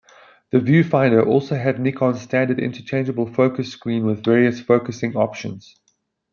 The viewfinder also had Nikon's standard interchangeable focus screen with various focusing options.